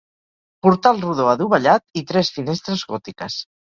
Portal rodó adovellat i tres finestres gòtiques.